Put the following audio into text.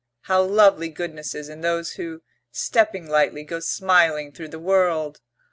How lovely goodness is in those who, stepping lightly, go smiling through the world!